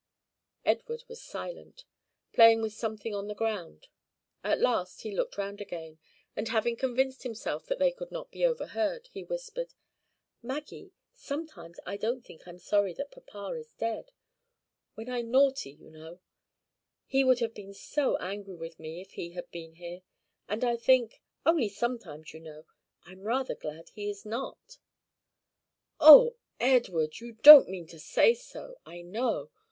Edward was silent, playing with something on the ground. At last he looked round again, and, having convinced himself that they could not be overheard, he whispered: "Maggie sometimes I don't think I'm sorry that papa is dead when I'm naughty, you know; he would have been so angry with me if he had been here; and I think only sometimes, you know, I'm rather glad he is not." "Oh, Edward! you don't mean to say so, I know.